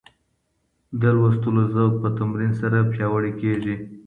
د لوستلو ذوق په تمرین سره پیاوړی کیږي.